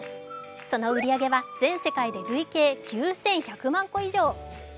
その売り上げは全世界で累計９１００万個以上。